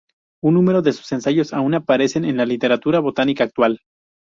Un número de sus ensayos aún aparecen en la literatura botánica actual.